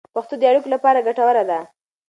پښتو د اړیکو لپاره ګټوره ده.